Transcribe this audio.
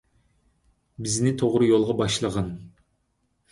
بىزنى توغرا يولغا باشلىغىن،